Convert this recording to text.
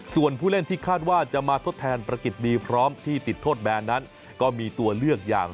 ส่วนผู้เล่นที่คาดว่าจะมาทดแทนประกิจดีพร้อมที่ติดโทษแบนนั้นก็มีตัวเลือกอย่าง